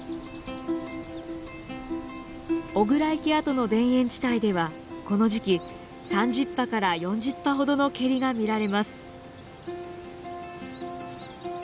巨椋池跡の田園地帯ではこの時期３０羽から４０羽ほどのケリが見られます。